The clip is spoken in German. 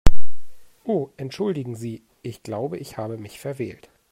Oh entschuldigen Sie, ich glaube, ich habe mich verwählt.